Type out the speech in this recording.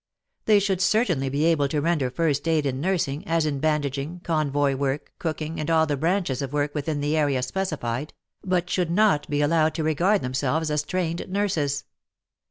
They should certainly be able to render first aid in nursing, as in bandaging, convoy work, cooking and all the branches of work within the area specified, but should not be allowed to regard themselves as trained nurses.